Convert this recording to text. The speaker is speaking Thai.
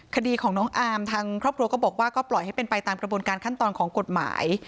คดีของน้องอาร์มทางครอบครัวก็บอกว่าก็ปล่อยให้เป็นไปตามกระบวนการขั้นตอนของกฎหมาย